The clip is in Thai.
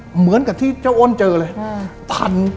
เหมือนกับที่เจ้าอ้นเจอเลยทัน